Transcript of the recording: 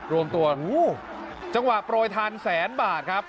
รวมตัวจังหวะโปรยทานแสนบาทครับ